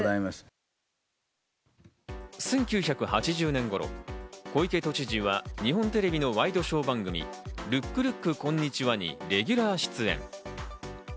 １９８０年頃、小池都知事は日本テレビのワイドショー番組『ルックルックこんにちは』にレギュラー出演。